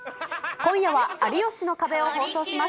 今夜は、有吉の壁を放送します。